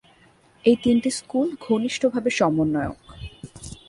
এই তিনটি স্কুল ঘনিষ্ঠভাবে সমন্বয়ক।